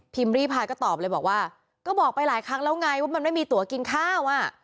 รีพายก็ตอบเลยบอกว่าก็บอกไปหลายครั้งแล้วไงว่ามันไม่มีตัวกินข้าวอ่ะ